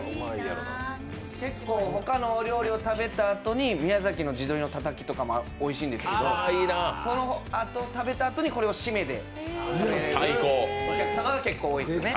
結構ほかのお料理を食べたあとに宮崎の地鶏のたたきとかもおいしいんですけどそれを食べたあとにこれを最後に食べるお客様が結構多いですね。